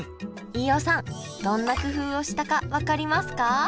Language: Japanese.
飯尾さんどんな工夫をしたか分かりますか？